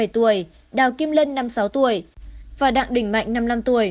năm bảy tuổi đào kim lân năm sáu tuổi và đặng đình mạnh năm năm tuổi